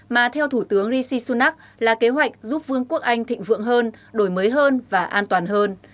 mà theo thủ tướng rishi sunak là kế hoạch giúp vương quốc anh thịnh vượng hơn đổi mới hơn và an toàn hơn